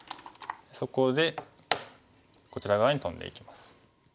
そこでこちら側にトンでいきます。